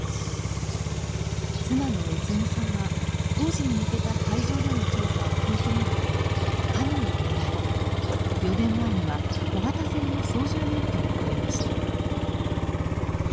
妻の悦美さんは工事に向けた海上での調査を食い止めるためカヌーを習い４年前には小型船の操縦免許も取りました。